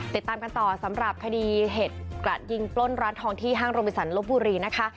ติดตามกันต่อสำหรับคดีเห็ดกระยิงปล้นร้านทองที่ห้างโรมิสันลบบุรีนะคะ